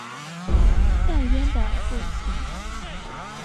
戴渊的父亲。